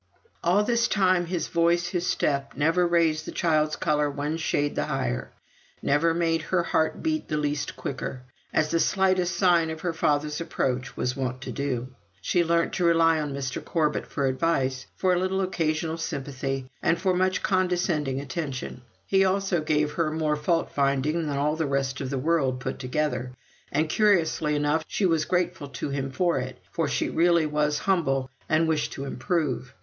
All this time his voice, his step, never raised the child's colour one shade the higher, never made her heart beat the least quicker, as the slightest sign of her father's approach was wont to do. She learnt to rely on Mr. Corbet for advice, for a little occasional sympathy, and for much condescending attention. He also gave her more fault finding than all the rest of the world put together; and, curiously enough, she was grateful to him for it, for she really was humble and wished to improve.